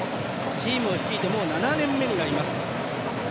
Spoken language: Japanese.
チームを率いてもう７年目になります。